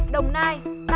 đồng nai ba mươi ca